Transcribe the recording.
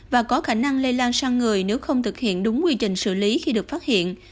và có khả năng lây lan sang người nếu không thực hiện đúng quy trình xử lý khi được phát hiện